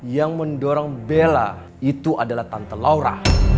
yang mendorong bella itu adalah tante laura